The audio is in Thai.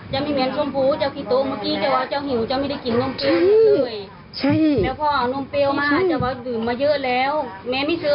จะมีแมวสมพู